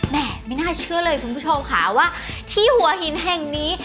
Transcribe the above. แม่ไม่น่าเชื่อเลยคุณผู้ชมค่ะว่าที่หัวหินแห่งนี้